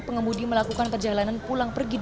pengemudi melakukan perjalanan pulang pergi